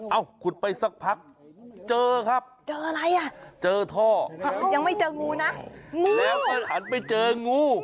ขุดไปสักพักเจอครับเจออะไรอ่ะเจอท่อยังไม่เจองูนะงูแล้วก็หันไปเจองู